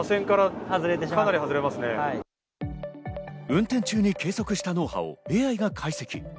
運転中に計測した脳波をＡＩが解析。